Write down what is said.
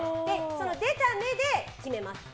出た目で決めます。